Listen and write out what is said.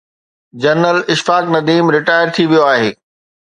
General Ashfaq Nadeem retired ٿي ويو آهي.